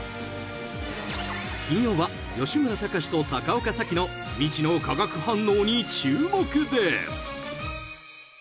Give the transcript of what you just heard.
［金曜は吉村崇と高岡早紀の未知の化学反応に注目です］